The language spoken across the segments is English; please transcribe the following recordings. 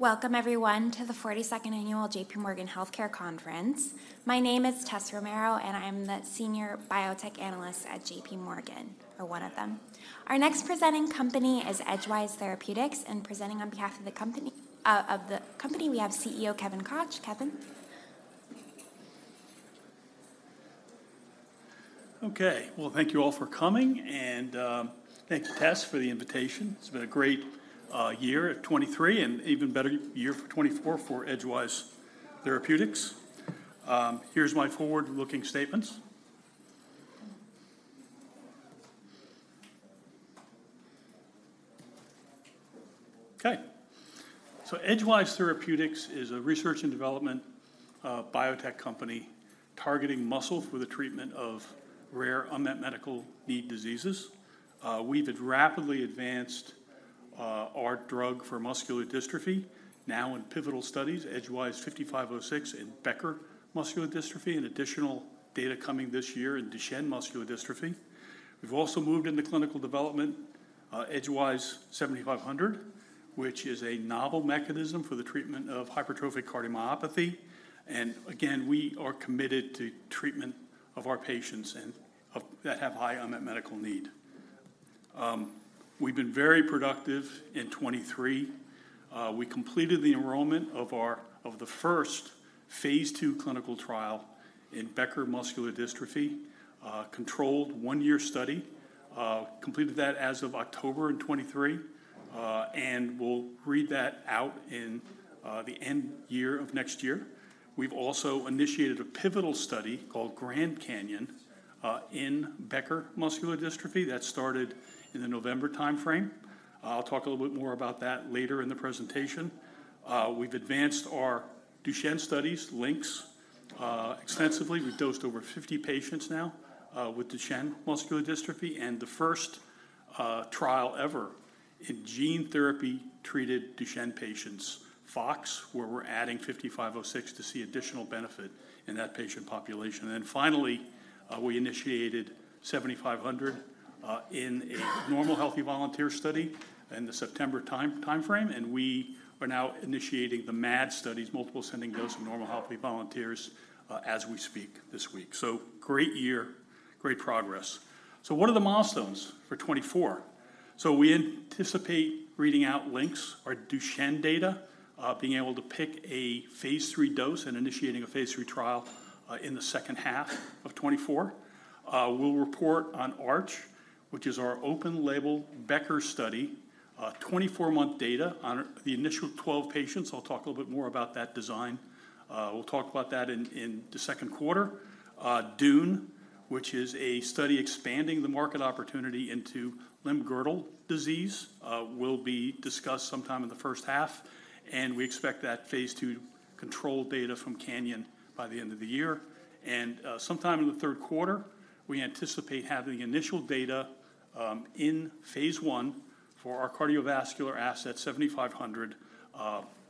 Welcome everyone to the 42nd annual JPMorgan Healthcare Conference. My name is Tessa Romero, and I'm the Senior Biotech Analyst at J.P. Morgan, or one of them. Our next presenting company is Edgewise Therapeutics, and presenting on behalf of the company, we have CEO Kevin Koch. Kevin? Okay. Well, thank you all for coming, and thank you, Tess, for the invitation. It's been a great year at 2023 and even better year for 2024 for Edgewise Therapeutics. Here's my forward-looking statements. Okay. So Edgewise Therapeutics is a research and development biotech company targeting muscle for the treatment of rare unmet medical need diseases. We've had rapidly advanced our drug for muscular dystrophy, now in pivotal studies, Edgewise 5506 in Becker muscular dystrophy, and additional data coming this year in Duchenne muscular dystrophy. We've also moved into clinical development Edgewise 7500, which is a novel mechanism for the treatment of hypertrophic cardiomyopathy. And again, we are committed to treatment of our patients that have high unmet medical need. We've been very productive in 2023. We completed the enrollment of our first phase II clinical trial in Becker muscular dystrophy, controlled 1-year study. Completed that as of October 2023, and we'll read that out in the end year of next year. We've also initiated a pivotal study called Grand CANYON in Becker muscular dystrophy. That started in the November timeframe. I'll talk a little bit more about that later in the presentation. We've advanced our Duchenne studies LYNX extensively. We've dosed over 50 patients now with Duchenne muscular dystrophy, and the first trial ever in gene therapy-treated Duchenne patients, FOX, where we're adding 5506 to see additional benefit in that patient population. And then finally, we initiated 7500 in a normal healthy volunteer study in the September timeframe, and we are now initiating the MAD studies, multiple ascending dose of normal healthy volunteers, as we speak this week. So great year, great progress. So what are the milestones for 2024? So we anticipate reading out LYNX, our Duchenne data, being able to pick a phase III dose and initiating a phase III trial, in the second half of 2024. We'll report on ARCH, which is our open label Becker study, 24-month data on the initial 12 patients. I'll talk a little bit more about that design. We'll talk about that in the second quarter. DUNE which is a study expanding the market opportunity into limb-girdle disease, will be discussed sometime in the first half, and we expect that phase II control data from CANYON by the end of the year. Sometime in the third quarter, we anticipate having initial data in phase I for our cardiovascular asset, 7500,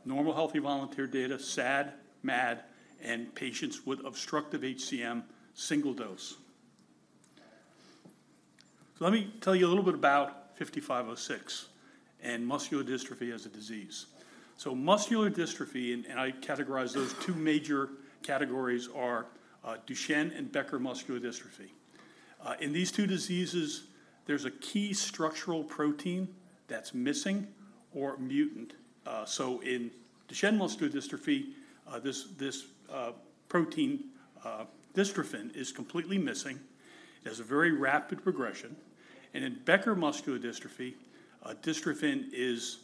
normal healthy volunteer data, SAD, MAD, and patients with obstructive HCM, single dose. So let me tell you a little bit about 5506 and muscular dystrophy as a disease. So muscular dystrophy, and I categorize those two major categories, are Duchenne and Becker muscular dystrophy. In these two diseases, there's a key structural protein that's missing or mutant. So in Duchenne muscular dystrophy, this protein, dystrophin is completely missing. It has a very rapid progression. In Becker muscular dystrophy, dystrophin is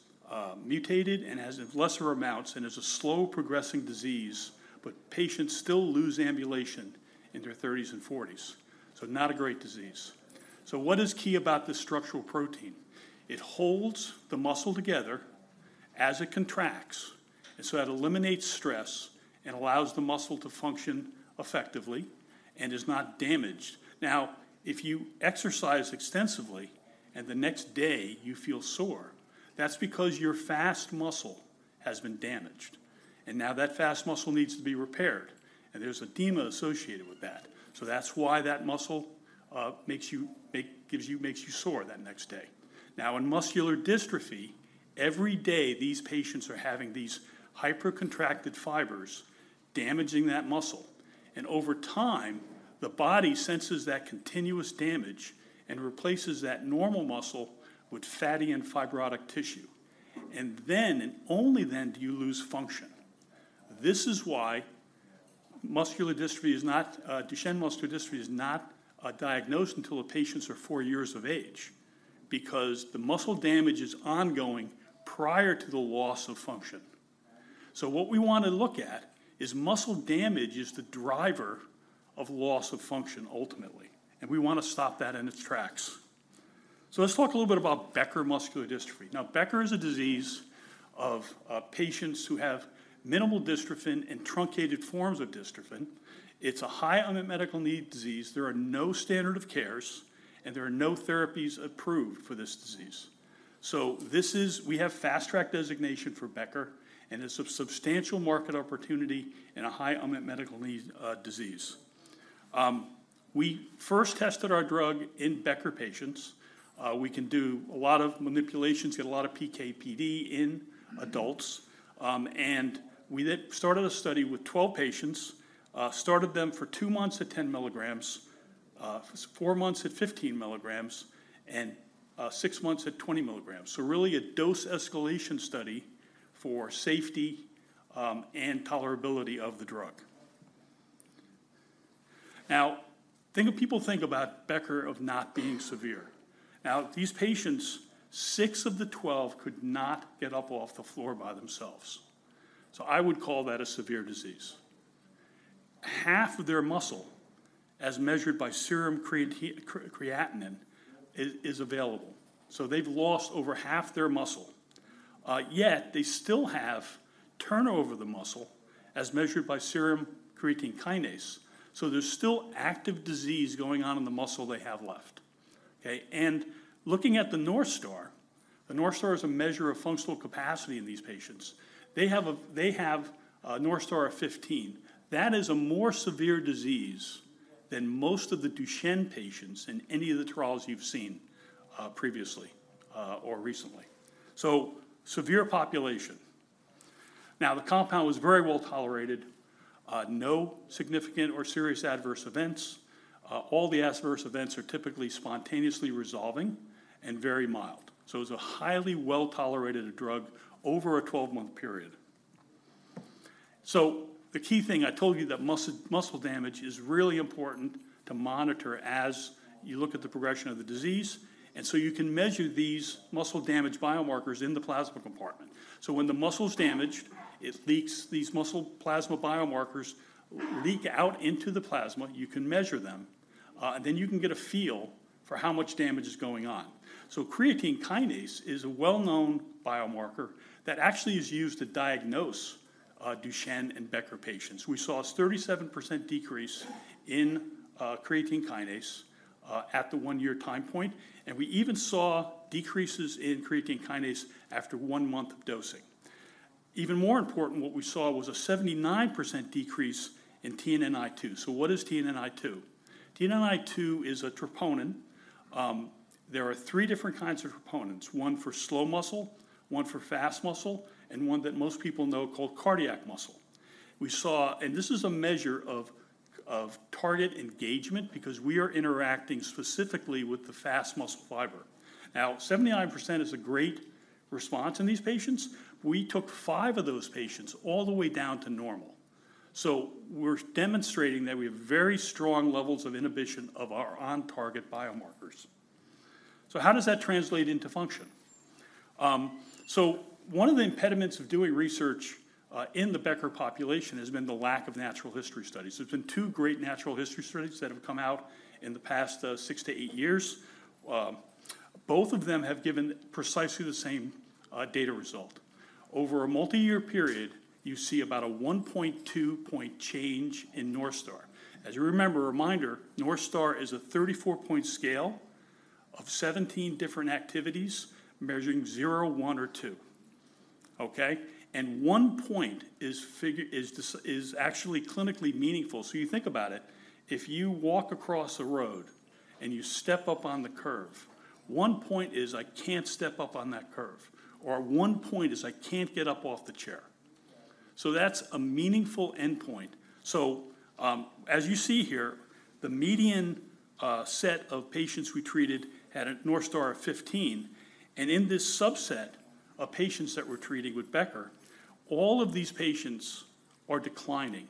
mutated and has in lesser amounts and is a slow progressing disease, but patients still lose ambulation in their thirties and forties. Not a great disease. What is key about this structural protein? It holds the muscle together as it contracts, and so that eliminates stress and allows the muscle to function effectively and is not damaged. Now, if you exercise extensively and the next day you feel sore, that's because your fast muscle has been damaged, and now that fast muscle needs to be repaired, and there's edema associated with that. So that's why that muscle makes you, gives you, makes you sore that next day. Now, in muscular dystrophy, every day, these patients are having these hypercontracted fibers damaging that muscle, and over time, the body senses that continuous damage and replaces that normal muscle with fatty and fibrotic tissue. And then, and only then, do you lose function. This is why Duchenne muscular dystrophy is not diagnosed until the patients are four years of age, because the muscle damage is ongoing prior to the loss of function. So what we want to look at is muscle damage is the driver of loss of function ultimately, and we want to stop that in its tracks. So let's talk a little bit about Becker muscular dystrophy. Now, Becker is a disease of patients who have minimal dystrophin and truncated forms of dystrophin. It's a high unmet medical need disease. There are no standard of care, and there are no therapies approved for this disease. So this is. We have fast track designation for Becker and a substantial market opportunity and a high unmet medical need, disease. We first tested our drug in Becker patients. We can do a lot of manipulations, get a lot of PK/PD in adults. And we started a study with 12 patients, started them for two months at 10 mg, four months at 15 mg, and six months at 20 mg. So really a dose escalation study for safety and tolerability of the drug. Now, people think about Becker of not being severe. Now, these patients, six of the 12 could not get up off the floor by themselves, so I would call that a severe disease. Half of their muscle, as measured by serum creatinine, is available, so they've lost over half their muscle. Yet they still have turnover of the muscle, as measured by serum creatine kinase, so there's still active disease going on in the muscle they have left, okay? Looking at the NorthStar, the NorthStar is a measure of functional capacity in these patients. They have a NorthStar of 15. That is a more severe disease than most of the Duchenne patients in any of the trials you've seen, previously, or recently. So severe population. Now, the compound was very well tolerated, no significant or serious adverse events. All the adverse events are typically spontaneously resolving and very mild. So it was a highly well-tolerated drug over a 12-month period. So the key thing, I told you that muscle, muscle damage is really important to monitor as you look at the progression of the disease, and so you can measure these muscle damage biomarkers in the plasma compartment. So when the muscle's damaged, it leaks these muscle plasma biomarkers leak out into the plasma. You can measure them, and then you can get a feel for how much damage is going on. So creatine kinase is a well-known biomarker that actually is used to diagnose Duchenne and Becker patients. We saw a 37% decrease in creatine kinase at the one-year time point, and we even saw decreases in creatine kinase after one month of dosing. Even more important, what we saw was a 79% decrease in TNNI2. So what is TNNI2? TNNI2 is a troponin. There are three different kinds of troponins: one for slow muscle, one for fast muscle, and one that most people know called cardiac muscle. We saw. This is a measure of target engagement because we are interacting specifically with the fast muscle fiber. Now, 79% is a great response in these patients. We took five of those patients all the way down to normal. So we're demonstrating that we have very strong levels of inhibition of our on-target biomarkers. So how does that translate into function? One of the impediments of doing research in the Becker population has been the lack of natural history studies. There's been two great natural history studies that have come out in the past six to eight years. Both of them have given precisely the same data result. Over a multi-year period, you see about a 1.2-point change in NorthStar. As you remember, reminder, NorthStar is a 34-point scale of 17 different activities measuring zero, one, or two, okay? And 1 point is actually clinically meaningful. So you think about it, if you walk across the road and you step up on the curb, 1-point is I can't step up on that curb, or 1-point is I can't get up off the chair. So that's a meaningful endpoint. So, as you see here, the median set of patients we treated had a NorthStar of 15, and in this subset of patients that we're treating with Becker, all of these patients are declining.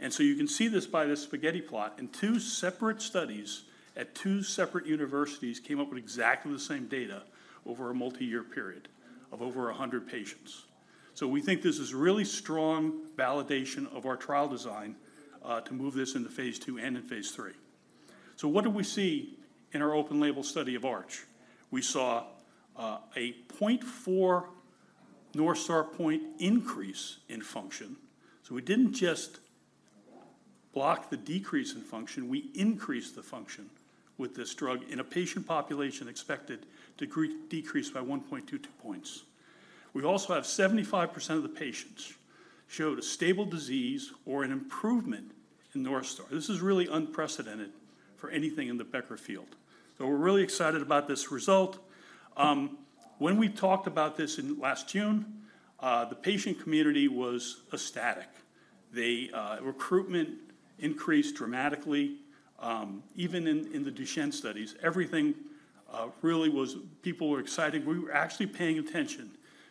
And so you can see this by this spaghetti plot. In two separate studies at two separate universities came up with exactly the same data over a multi-year period of over 100 patients. So we think this is really strong validation of our trial design to move this into phase II and in phase III. So what do we see in our open-label study of ARCH? We saw a 0.4 NorthStar point increase in function. So we didn't just block the decrease in function, we increased the function with this drug in a patient population expected to decrease by 1.2-2 points. We also have 75% of the patients showed a stable disease or an improvement in NorthStar. This is really unprecedented for anything in the Becker field, so we're really excited about this result. When we talked about this in last June, the patient community was ecstatic. The recruitment increased dramatically, even in the Duchenne studies. Everything really was... People were excited. We were actually paying attention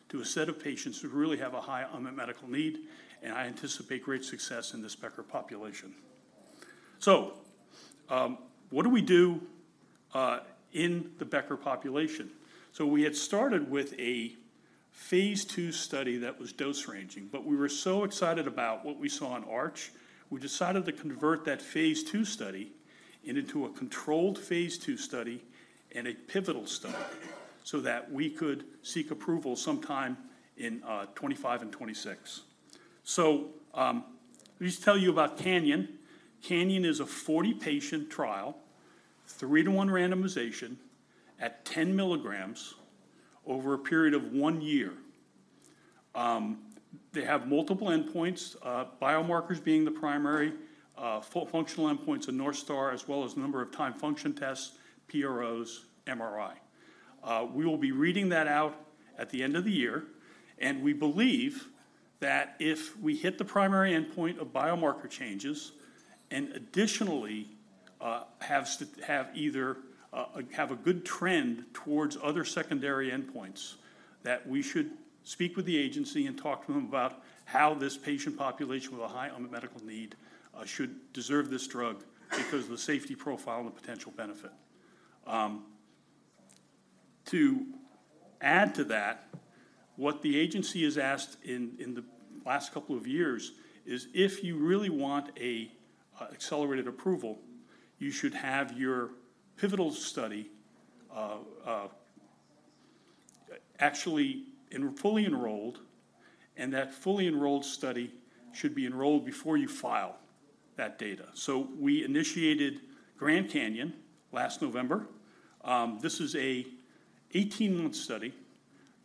to a set of patients who really have a high unmet medical need, and I anticipate great success in this Becker population. So, what do we do in the Becker population? So we had started with a phase II study that was dose ranging, but we were so excited about what we saw in ARCH, we decided to convert that phase II study into a controlled phase II study and a pivotal study so that we could seek approval sometime in 2025 and 2026. So, let me just tell you about CANYON. CANYON is a 40-patient trial, three-to-one randomization at 10 mg over a period of one year.... They have multiple endpoints, biomarkers being the primary, functional endpoints in NorthStar, as well as number of timed function tests, PROs, MRI. We will be reading that out at the end of the year, and we believe that if we hit the primary endpoint of biomarker changes, and additionally, have a good trend towards other secondary endpoints, that we should speak with the agency and talk to them about how this patient population with a high unmet medical need should deserve this drug because of the safety profile and the potential benefit. To add to that, what the agency has asked in the last couple of years is if you really want accelerated approval, you should have your pivotal study actually fully enrolled, and that fully enrolled study should be enrolled before you file that data. So we initiated GRAND CANYON last November. This is an 18-month study,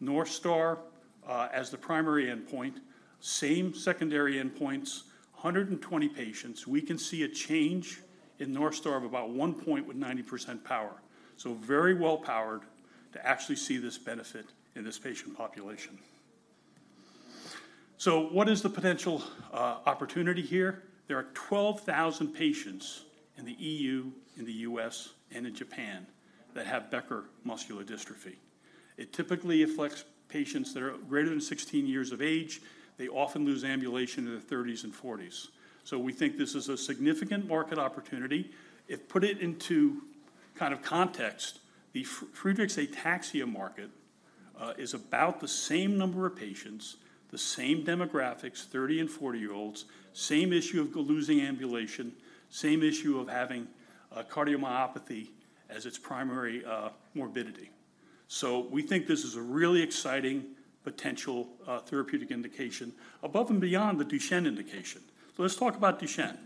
Northstar as the primary endpoint, same secondary endpoints, 120 patients. We can see a change in Northstar of about 1 point with 90% power. So very well-powered to actually see this benefit in this patient population. So what is the potential opportunity here? There are 12,000 patients in the EU, in the U.S., and in Japan that have Becker muscular dystrophy. It typically afflicts patients that are greater than 16 years of age. They often lose ambulation in their thirties and forties. So we think this is a significant market opportunity. If put it into kind of context, the Friedreich's ataxia market is about the same number of patients, the same demographics, 30- and 40-year-olds, same issue of losing ambulation, same issue of having a cardiomyopathy as its primary morbidity. So we think this is a really exciting potential therapeutic indication above and beyond the Duchenne indication. So let's talk about Duchenne.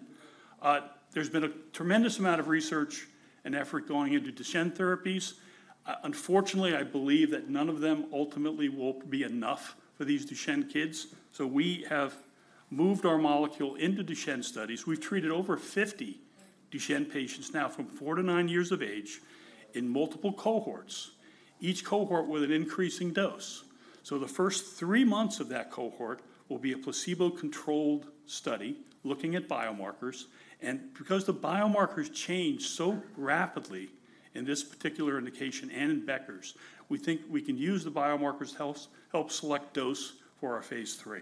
There's been a tremendous amount of research and effort going into Duchenne therapies. Unfortunately, I believe that none of them ultimately will be enough for these Duchenne kids. So we have moved our molecule into Duchenne studies. We've treated over 50 Duchenne patients now from 4-9 years of age in multiple cohorts, each cohort with an increasing dose. The first three months of that cohort will be a placebo-controlled study looking at biomarkers, and because the biomarkers change so rapidly in this particular indication and in Becker's, we think we can use the biomarkers to help select dose for our phase III.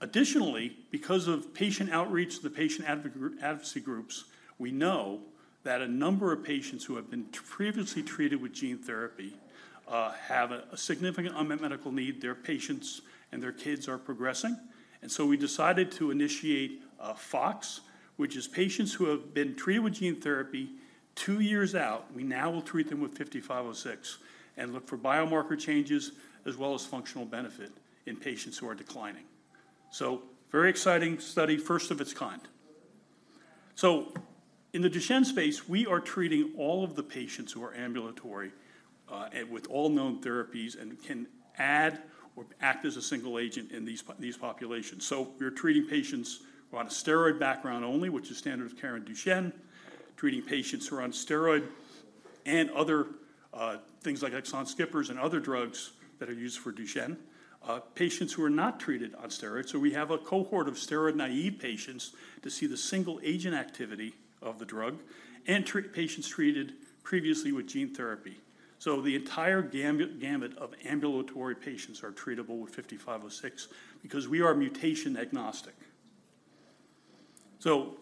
Additionally, because of patient outreach, the patient advocacy groups, we know that a number of patients who have been previously treated with gene therapy have a significant unmet medical need. Their patients and their kids are progressing, and so we decided to initiate FOX, which is patients who have been treated with gene therapy two years out. We now will treat them with 5506 and look for biomarker changes, as well as functional benefit in patients who are declining. Very exciting study, first of its kind. So in the Duchenne space, we are treating all of the patients who are ambulatory, and with all known therapies, and can add or act as a single agent in these these populations. So we're treating patients who are on a steroid background only, which is standard of care in Duchenne, treating patients who are on steroid and other, things like exon skippers and other drugs that are used for Duchenne, patients who are not treated on steroids. So we have a cohort of steroid-naive patients to see the single agent activity of the drug, and treat patients treated previously with gene therapy. So the entire gamut of ambulatory patients are treatable with 5506 because we are mutation agnostic. So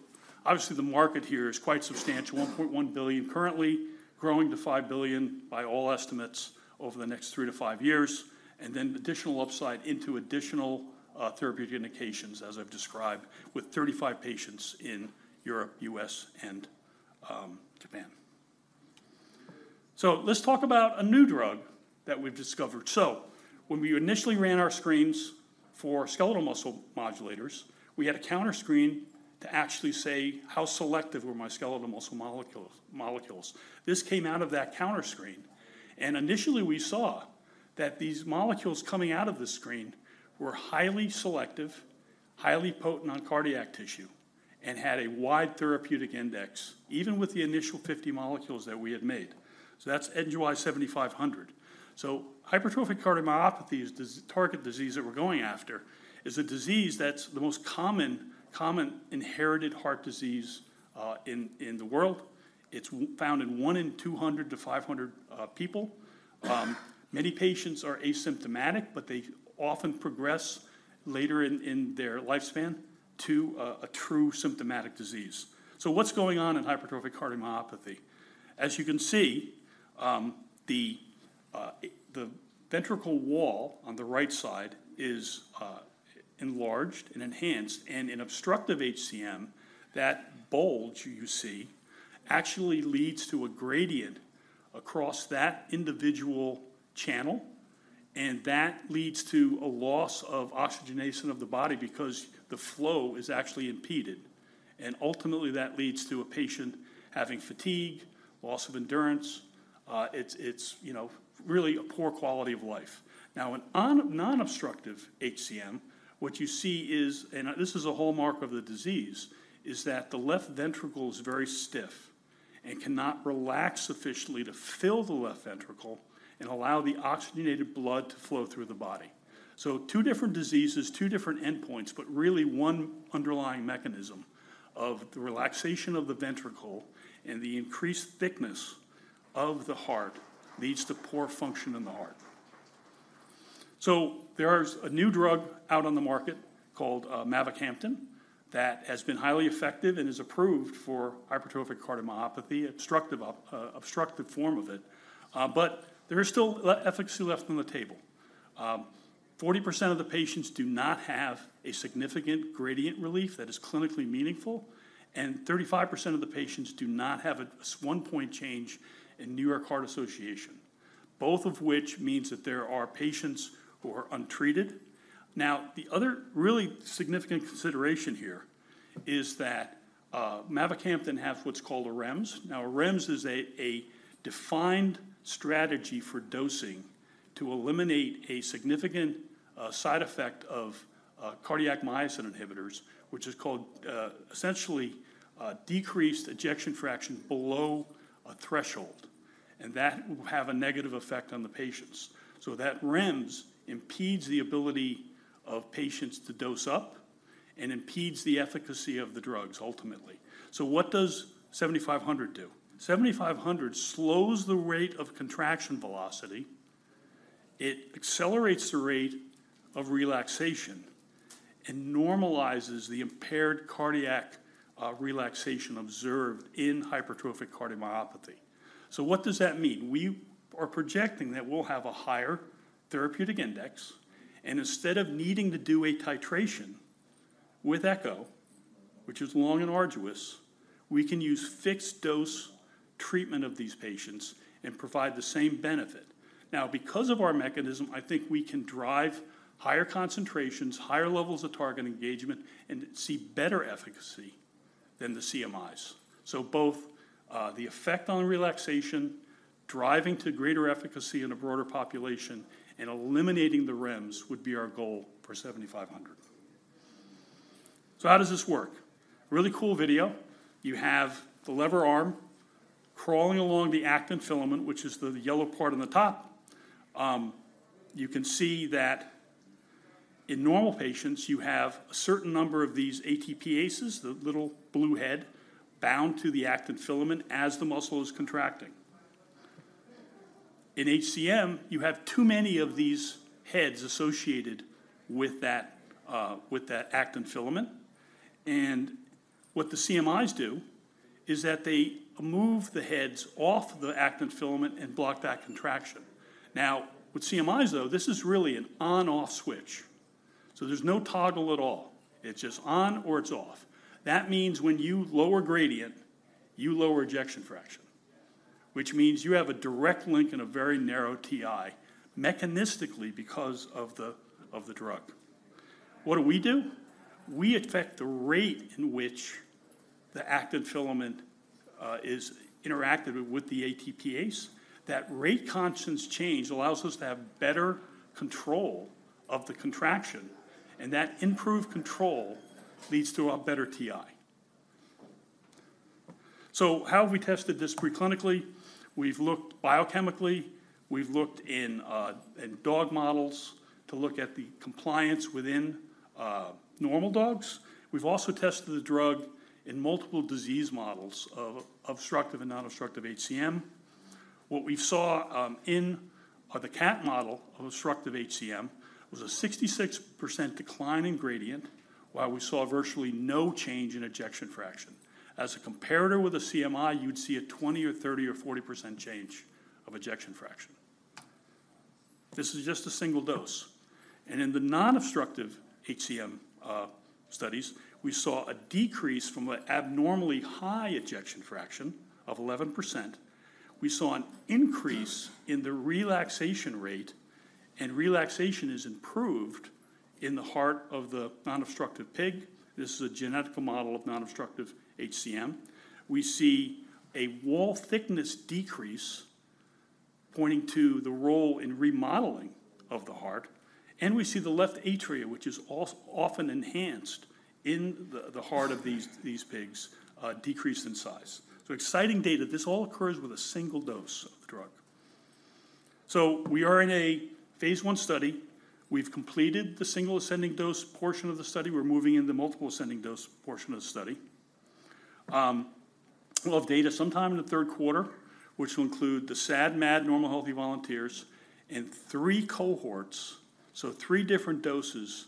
obviously, the market here is quite substantial, $1.1 billion currently, growing to $5 billion by all estimates over the next 3-5 years, and then additional upside into additional therapeutic indications, as I've described, with 35 patients in Europe, U.S., and Japan. So let's talk about a new drug that we've discovered. So when we initially ran our screens for skeletal muscle modulators, we had a counter screen to actually say: How selective were my skeletal muscle molecules? This came out of that counter screen, and initially, we saw that these molecules coming out of the screen were highly selective, highly potent on cardiac tissue, and had a wide therapeutic index, even with the initial 50 molecules that we had made. So that's EDG-7500. So hypertrophic cardiomyopathy is the target disease that we're going after, is a disease that's the most common inherited heart disease in the world. It's found in 1 in 200-500 people. Many patients are asymptomatic, but they often progress later in their lifespan to a true symptomatic disease. So what's going on in hypertrophic cardiomyopathy? As you can see, the ventricle wall on the right side is enlarged and enhanced, and in obstructive HCM, that bulge you see actually leads to a gradient across that individual channel, and that leads to a loss of oxygenation of the body because the flow is actually impeded... and ultimately that leads to a patient having fatigue, loss of endurance, it's you know really a poor quality of life. Now, in non-obstructive HCM, what you see is, and this is a hallmark of the disease, is that the left ventricle is very stiff and cannot relax sufficiently to fill the left ventricle and allow the oxygenated blood to flow through the body. So two different diseases, two different endpoints, but really one underlying mechanism of the relaxation of the ventricle and the increased thickness of the heart leads to poor function in the heart. So there's a new drug out on the market called mavacamten, that has been highly effective and is approved for hypertrophic cardiomyopathy, obstructive form of it, but there is still efficacy left on the table. 40% of the patients do not have a significant gradient relief that is clinically meaningful, and 35% of the patients do not have a one-point change in New York Heart Association, both of which means that there are patients who are untreated. Now, the other really significant consideration here is that mavacamten has what's called a REMS. Now, a REMS is a defined strategy for dosing to eliminate a significant side effect of cardiac myosin inhibitors, which is called essentially decreased ejection fraction below a threshold, and that will have a negative effect on the patients. So that REMS impedes the ability of patients to dose up and impedes the efficacy of the drugs, ultimately. So what does EDG-7500 do? 7500 slows the rate of contraction velocity, it accelerates the rate of relaxation, and normalizes the impaired cardiac relaxation observed in hypertrophic cardiomyopathy. So what does that mean? We are projecting that we'll have a higher therapeutic index, and instead of needing to do a titration with echo, which is long and arduous, we can use fixed-dose treatment of these patients and provide the same benefit. Now, because of our mechanism, I think we can drive higher concentrations, higher levels of target engagement, and see better efficacy than the CMIs. So both the effect on relaxation, driving to greater efficacy in a broader population, and eliminating the REMS would be our goal for 7500. So how does this work? Really cool video. You have the lever arm crawling along the actin filament, which is the yellow part on the top. You can see that in normal patients, you have a certain number of these ATPases, the little blue head, bound to the actin filament as the muscle is contracting. In HCM, you have too many of these heads associated with that, with that actin filament, and what the CMIs do is that they move the heads off the actin filament and block that contraction. Now, with CMIs, though, this is really an on/off switch, so there's no toggle at all. It's just on or it's off. That means when you lower gradient, you lower ejection fraction, which means you have a direct link and a very narrow TI, mechanistically, because of the, of the drug. What do we do? We affect the rate in which the actin filament, is interacted with the ATPase. That rate constant change allows us to have better control of the contraction, and that improved control leads to a better TI. So how have we tested this preclinically? We've looked biochemically, we've looked in dog models to look at the compliance within normal dogs. We've also tested the drug in multiple disease models of obstructive and non-obstructive HCM. What we saw in the cat model of obstructive HCM was a 66% decline in gradient, while we saw virtually no change in ejection fraction. As a comparator with a CMI, you'd see a 20% or 30% or 40% change of ejection fraction. This is just a single dose. And in the non-obstructive HCM studies, we saw a decrease from an abnormally high ejection fraction of 11%. We saw an increase in the relaxation rate, and relaxation is improved in the heart of the non-obstructive pig. This is a genetic model of non-obstructive HCM. We see a wall thickness decrease, pointing to the role in remodeling of the heart, and we see the left atrium, which is also often enhanced in the heart of these pigs, decrease in size. So exciting data. This all occurs with a single dose of the drug. So we are in a phase I study. We've completed the single ascending dose portion of the study. We're moving into multiple ascending dose portion of the study. We'll have data sometime in the third quarter, which will include the SAD, MAD, normal healthy volunteers and three cohorts, so three different doses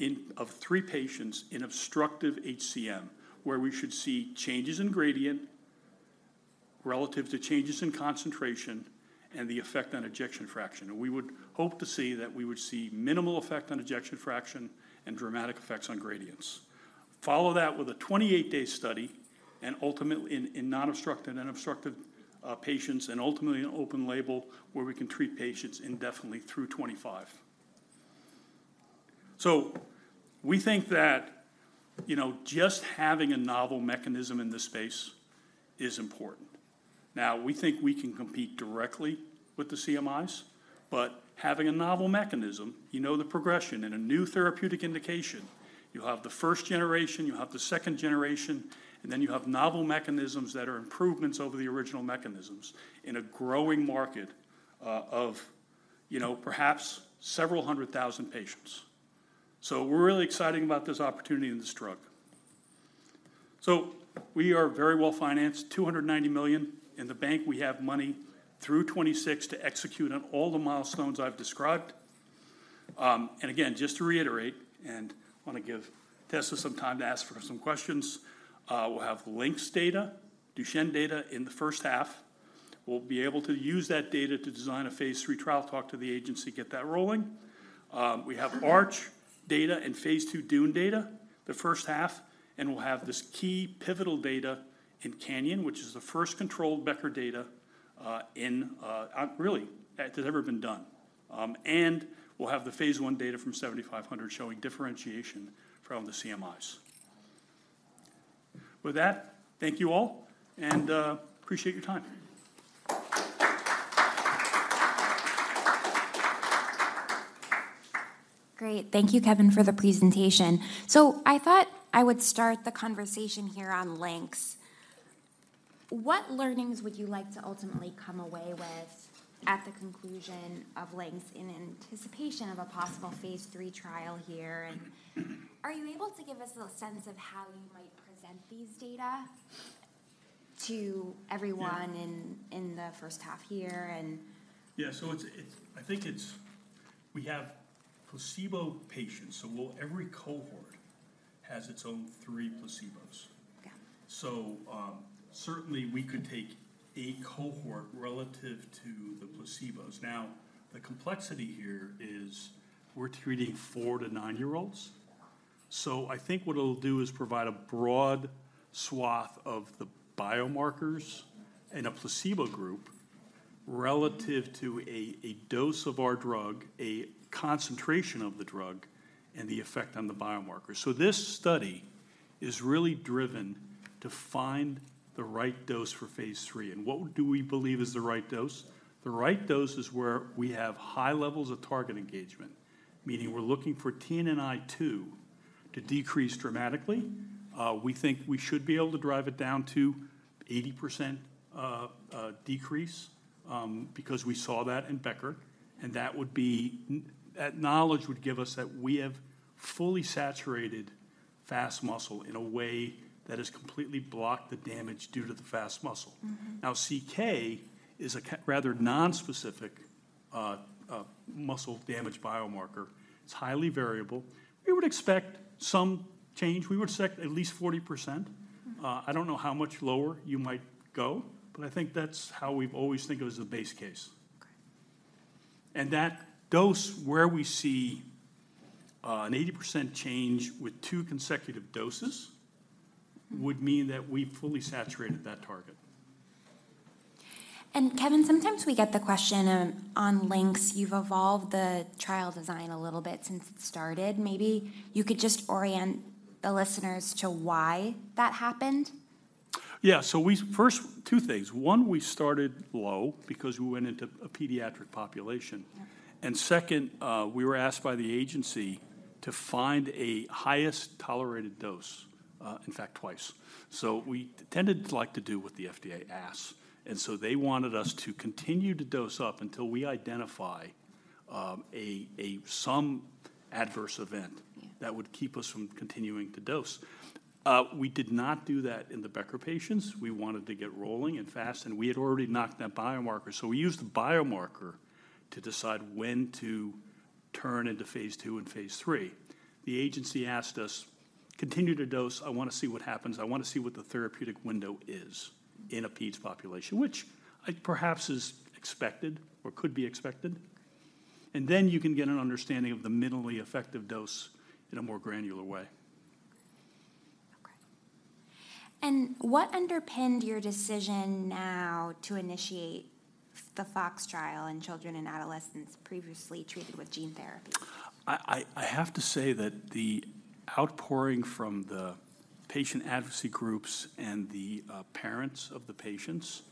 in of three patients in obstructive HCM, where we should see changes in gradient relative to changes in concentration and the effect on ejection fraction. And we would hope to see that we would see minimal effect on ejection fraction and dramatic effects on gradients. Follow that with a 28-day study and ultimately in non-obstructive and obstructive patients, and ultimately an open label where we can treat patients indefinitely through 25. So we think that, you know, just having a novel mechanism in this space is important. Now, we think we can compete directly with the CMIs, but having a novel mechanism, you know the progression. In a new therapeutic indication, you have the first generation, you have the second generation, and then you have novel mechanisms that are improvements over the original mechanisms in a growing market, of, you know, perhaps several hundred thousand patients. So we're really excited about this opportunity and this drug. So we are very well-financed, $290 million in the bank. We have money through 2026 to execute on all the milestones I've described. And again, just to reiterate, and I wanna give Tessa some time to ask for some questions, we'll have data, LYNX Duchenne data in the first half. We'll be able to use that data to design a phase III trial, talk to the agency, get that rolling. We have ARCH data and phase II DUNE data the first half, and we'll have this key pivotal data in CANYON, which is the first controlled Becker data that has ever been done. And we'll have the phase I data from 7500 showing differentiation from the CMIs. With that, thank you all, and appreciate your time. Great. Thank you, Kevin, for the presentation. So I thought I would start the conversation here on LYNX. What learnings would you like to ultimately come away with at the conclusion of LYNX in anticipation of a possible phase III trial here? And are you able to give us a little sense of how you might present these data to everyone? Yeah... in the first half year, and- Yeah, so it's, I think it's we have placebo patients, so every cohort has its own three placebos. Yeah. Certainly, we could take a cohort relative to the placebos. Now, the complexity here is we're treating 4-9-year-olds. Yeah. I think what it'll do is provide a broad swath of the biomarkers- Yeah... in a placebo group relative to a dose of our drug, a concentration of the drug, and the effect on the biomarker. So this study is really driven to find the right dose for phase III. And what do we believe is the right dose? The right dose is where we have high levels of target engagement- Mm-hmm... meaning we're looking for TNNI2 to decrease dramatically. Mm-hmm. We think we should be able to drive it down to 80% decrease, because we saw that in Becker, and that would be that knowledge would give us that we have fully saturated fast muscle in a way that has completely blocked the damage due to the fast muscle. Mm-hmm. Now, CK is a rather nonspecific muscle damage biomarker. It's highly variable. We would expect some change. We would expect at least 40%. Mm-hmm. I don't know how much lower you might go, but I think that's how we've always think of as the base case. Okay. That dose where we see an 80% change with two consecutive doses- Mm... would mean that we've fully saturated that target. Kevin, sometimes we get the question on LYNX. You've evolved the trial design a little bit since it started. Maybe you could just orient the listeners to why that happened. Yeah. So we first, two things: One, we started low because we went into a pediatric population. Yeah. And second, we were asked by the agency to find a highest tolerated dose, in fact, twice. So we tended to like to do what the FDA asks, and so they wanted us to continue to dose up until we identify some adverse event. Yeah... that would keep us from continuing to dose. We did not do that in the Becker patients. We wanted to get rolling and fast, and we had already knocked that biomarker. So we used the biomarker to decide when to turn into phase II and phase III. The agency asked us, "Continue to dose. I wanna see what happens. I wanna see what the therapeutic window is in a peds population," which, perhaps, is expected or could be expected. Okay. And then you can get an understanding of the minimally effective dose in a more granular way. Okay. And what underpinned your decision now to initiate the FOX trial in children and adolescents previously treated with gene therapy? I have to say that the outpouring from the patient advocacy groups and the parents of the patients,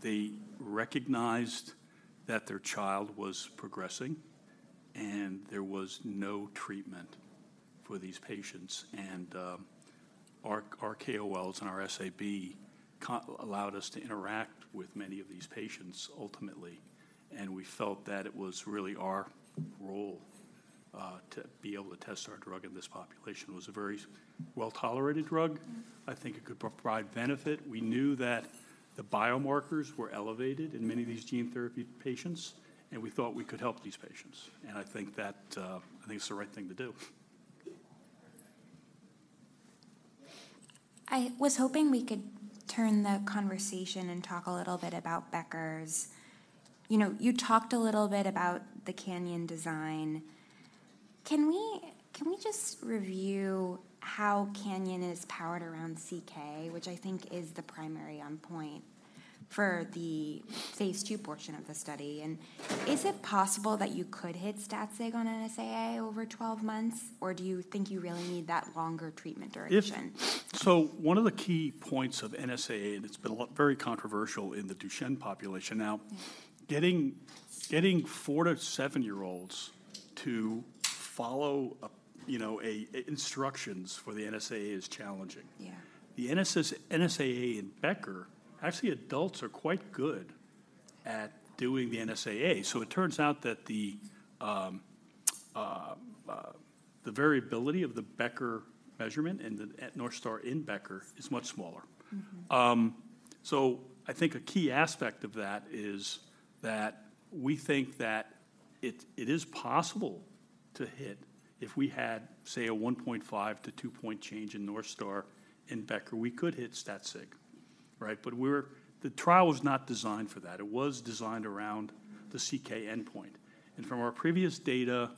they recognized that their child was progressing, and there was no treatment for these patients. Our KOLs and our SAB allowed us to interact with many of these patients, ultimately, and we felt that it was really our role to be able to test our drug in this population. It was a very well-tolerated drug. Mm-hmm. I think it could provide benefit. We knew that the biomarkers were elevated- Mm-hmm... in many of these gene therapy patients, and we thought we could help these patients, and I think that, I think it's the right thing to do. I was hoping we could turn the conversation and talk a little bit about Becker's. You know, you talked a little bit about the CANYON design. Can we, can we just review how CANYON is powered around CK, which I think is the primary endpoint?... for the phase II portion of the study. And is it possible that you could hit stat sig on NSAA over 12 months, or do you think you really need that longer treatment duration? So one of the key points of NSAA, and it's been a lot very controversial in the Duchenne population. Now, getting 4- to 7-year-olds to follow a, you know, instructions for the NSAA is challenging. Yeah. The NSAA in Becker, actually, adults are quite good at doing the NSAA. So it turns out that the variability of the Becker measurement and the NSAA in Becker is much smaller. Mm-hmm. So I think a key aspect of that is that we think that it is possible to hit if we had, say, a 1.5-2-point change in NorthStar in Becker, we could hit stat sig, right? But the trial was not designed for that. It was designed around the CK endpoint. And from our previous data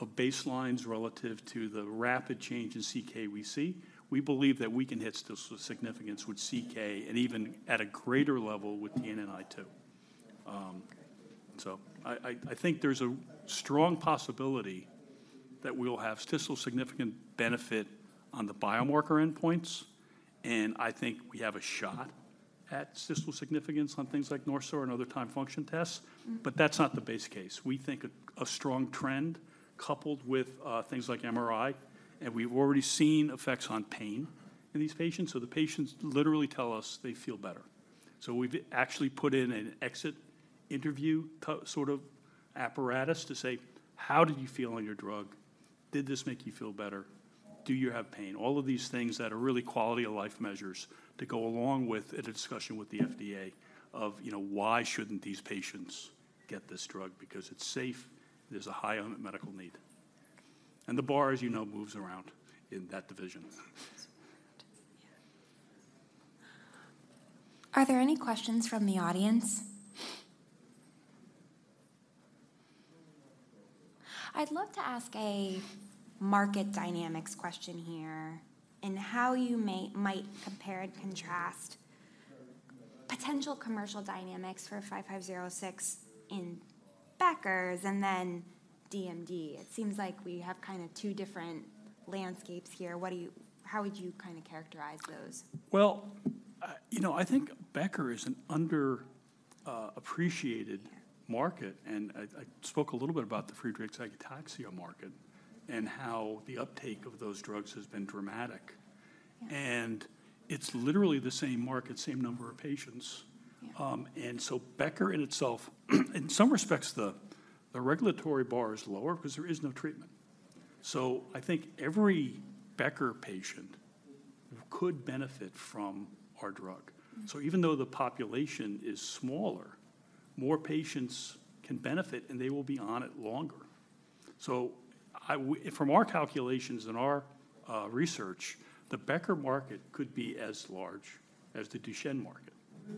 of baselines relative to the rapid change in CK we see, we believe that we can hit statistical significance with CK and even at a greater level with the TNNI2. So I think there's a strong possibility that we'll have statistical significant benefit on the biomarker endpoints, and I think we have a shot at statistical significance on things like NorthStar and other time function tests. Mm-hmm. But that's not the base case. We think a strong trend coupled with things like MRI, and we've already seen effects on pain in these patients, so the patients literally tell us they feel better. So we've actually put in an exit interview sort of apparatus to say: "How did you feel on your drug? Did this make you feel better? Do you have pain?" All of these things that are really quality-of-life measures to go along with a discussion with the FDA of, you know, why shouldn't these patients get this drug? Because it's safe, there's a high unmet medical need. And the bar, as you know, moves around in that division. Yes. Yeah. Are there any questions from the audience? I'd love to ask a market dynamics question here, and how you might compare and contrast potential commercial dynamics for 5506 in Becker's and then DMD. It seems like we have kind of two different landscapes here. How would you kind of characterize those? Well, you know, I think Becker is an under appreciated market, and I, I spoke a little bit about the Friedreich's ataxia market and how the uptake of those drugs has been dramatic. Yeah. It's literally the same market, same number of patients. Yeah. Becker in itself, in some respects, the regulatory bar is lower because there is no treatment. So I think every Becker patient could benefit from our drug. Mm. So even though the population is smaller, more patients can benefit, and they will be on it longer. So from our calculations and our research, the Becker market could be as large as the Duchenne market. Mm-hmm.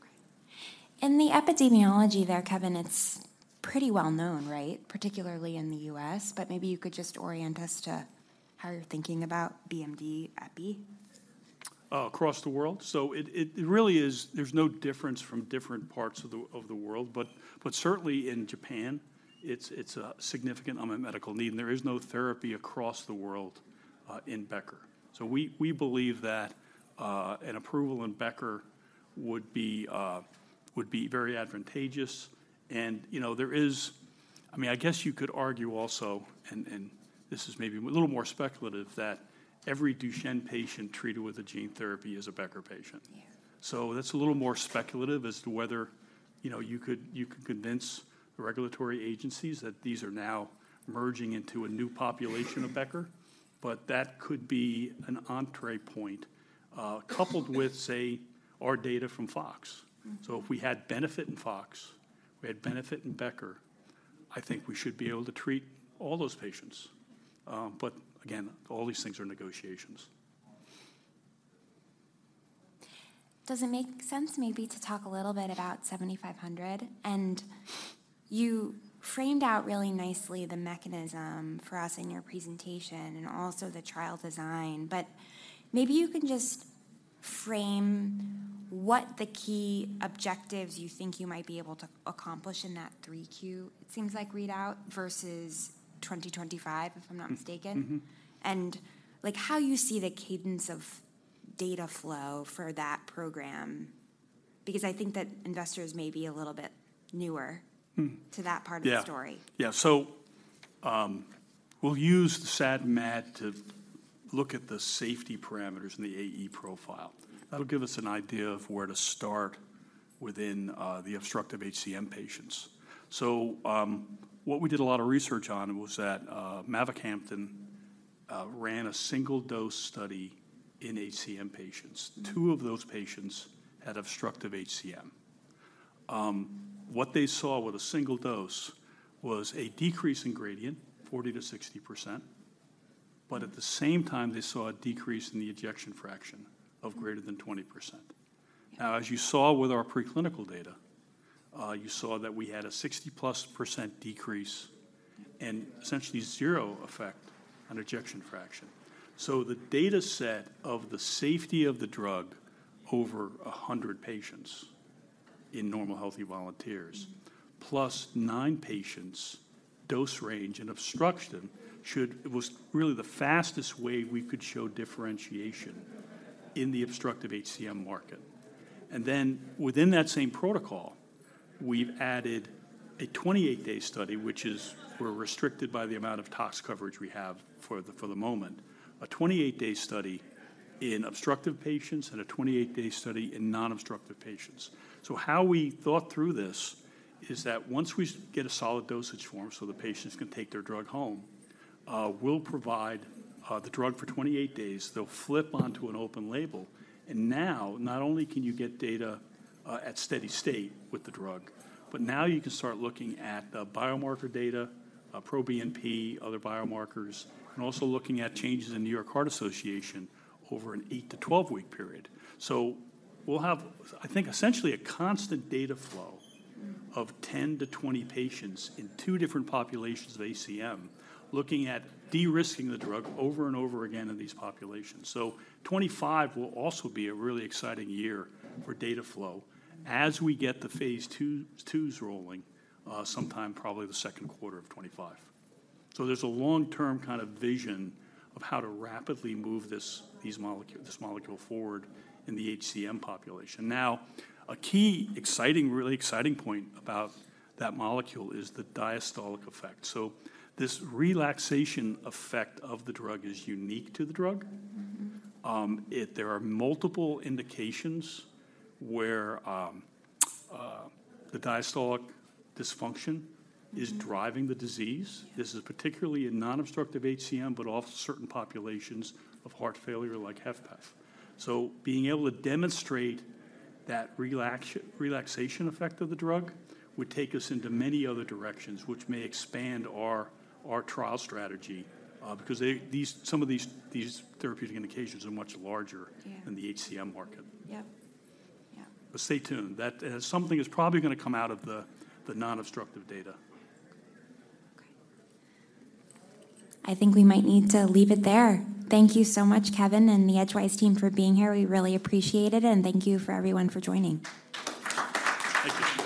Great. In the epidemiology there, Kevin, it's pretty well known, right? Particularly in the U.S., but maybe you could just orient us to how you're thinking about BMD epi. Across the world? So it really is, there's no difference from different parts of the world, but certainly in Japan, it's a significant unmet medical need, and there is no therapy across the world in Becker. So we believe that an approval in Becker would be very advantageous. And, you know, there is, I mean, I guess you could argue also, and this is maybe a little more speculative, that every Duchenne patient treated with a gene therapy is a Becker patient. Yeah. So that's a little more speculative as to whether, you know, you could, you could convince the regulatory agencies that these are now merging into a new population of Becker, but that could be an entry point. Mm-hmm. coupled with, say, our data from FOX. Mm-hmm. So if we had benefit in FOX, we had benefit in Becker, I think we should be able to treat all those patients. But again, all these things are negotiations. Does it make sense maybe to talk a little bit about EDG-7500? And you framed out really nicely the mechanism for us in your presentation and also the trial design. But maybe you can just frame what the key objectives you think you might be able to accomplish in that 3Q, it seems like, readout, versus 2025, if I'm not mistaken. Mm-hmm, mm-hmm. Like, how you see the cadence of data flow for that program, because I think that investors may be a little bit newer- Mm. to that part of the story. Yeah. Yeah. So, we'll use the SAD/MAD to look at the safety parameters in the AE profile. That'll give us an idea of where to start within the obstructive HCM patients. So, what we did a lot of research on was that, mavacamten ran a single-dose study in HCM patients. Mm-hmm. Two of those patients had obstructive HCM. What they saw with a single dose was a decrease in gradient, 40%-60%, but at the same time, they saw a decrease in the ejection fraction of greater than 20%. Now, as you saw with our preclinical data, you saw that we had a 60%+ decrease and essentially zero effect on ejection fraction. So the data set of the safety of the drug over 100 patients in normal, healthy volunteers, plus nine patients' dose range and obstruction, should it was really the fastest way we could show differentiation in the obstructive HCM market. And then within that same protocol, we've added a 28-day study, which is, we're restricted by the amount of tox coverage we have for the moment, a 28-day study in obstructive patients and a 28-day study in non-obstructive patients. So how we thought through this is that once we get a solid dosage form so the patients can take their drug home, we'll provide the drug for 28 days. They'll flip onto an open label, and now, not only can you get data at steady state with the drug, but now you can start looking at the biomarker data, a proBNP, other biomarkers, and also looking at changes in New York Heart Association over an eight-12-week period. So we'll have, I think, essentially a constant data flow- Mm. of 10-20 patients in two different populations of HCM, looking at de-risking the drug over and over again in these populations. So 2025 will also be a really exciting year for data flow as we get the phase IIs rolling sometime probably the second quarter of 2025. So there's a long-term kind of vision of how to rapidly move this molecule forward in the HCM population. Now, a key exciting, really exciting point about that molecule is the diastolic effect. So this relaxation effect of the drug is unique to the drug. Mm-hmm. There are multiple indications where the diastolic dysfunction is driving the disease. Yeah. This is particularly in non-obstructive HCM, but also certain populations of heart failure, like HFpEF. So being able to demonstrate that relaxation effect of the drug would take us into many other directions, which may expand our trial strategy, because some of these therapeutic indications are much larger- Yeah... than the HCM market. Yep. Yeah. But stay tuned. That, something is probably gonna come out of the non-obstructive data. Okay. I think we might need to leave it there. Thank you so much, Kevin, and the Edgewise team for being here. We really appreciate it, and thank you for everyone for joining. Thank you.